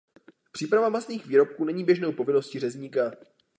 Příprava masných výrobků není běžnou povinností řezníka.